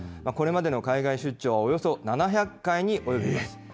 これまでの海外出張はおよそ７００回に及びます。